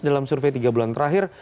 dalam survei tiga bulan terakhir